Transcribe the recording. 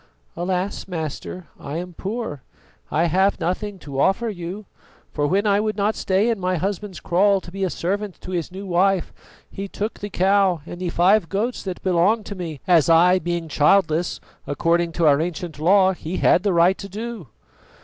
"Alas, master, I am poor. I have nothing to offer you, for when I would not stay in my husband's kraal to be a servant to his new wife, he took the cow and the five goats that belonged to me, as, I being childless, according to our ancient law he had the right to do."